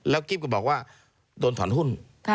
กิ๊บก็บอกว่าโดนถอนหุ้น